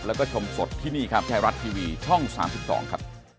แล้วก็ชมสดที่นี่ครับไทยรัฐทีวีช่อง๓๒ครับ